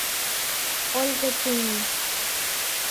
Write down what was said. Ольга тӱҥын.